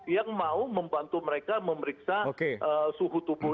yang mau membantu mereka memeriksa suhu tubuh